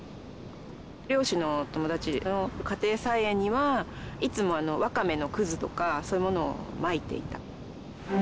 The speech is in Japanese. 漁師の友達の家庭菜園にはいつもあのワカメのクズとかそういうものをまいていた。